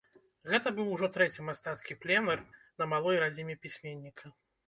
Гэта быў ужо трэці мастацкі пленэр на малой радзіме пісьменніка.